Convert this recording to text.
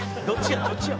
「どっちや？